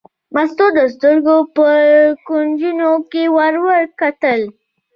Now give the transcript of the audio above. مستو د سترګو په کونجونو کې ور وکتل.